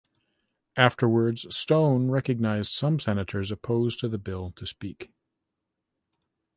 Afterwards Stone recognized some senators opposed to the bill to speak.